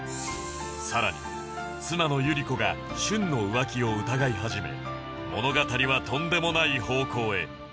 さらに妻のゆり子が舜の浮気を疑い始め物語はとんでもない方向へ